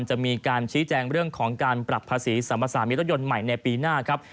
จะมีการชี้แจงเรื่องของการปรับภาษีสัมภาษามีรถยนต์ใหม่ในปีหน้าครับ